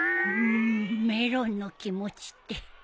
メロンの気持ちって。